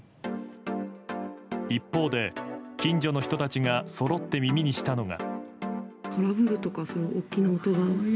一方で、近所の人たちがそろって耳にしたのが。